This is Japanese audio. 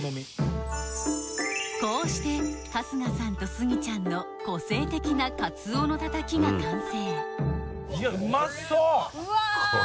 こうして春日さんとスギちゃんの個性的なカツオのたたきが完成いやうまそう！